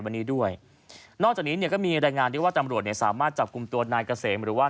วันนี้ด้วยนอกจากนี้เนี่ยก็มีรายงานได้ว่าตำรวจเนี่ยสามารถจับกลุ่มตัวนายเกษมหรือว่า